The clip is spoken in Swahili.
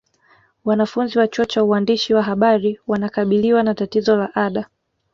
Wanafunzi wa chuo cha uandishi wa habari wanakabiliwa na tatizo la ada